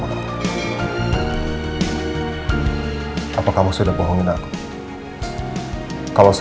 apa ada semua huhuhu